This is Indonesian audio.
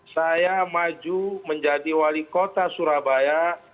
saya maju menjadi wali kota surabaya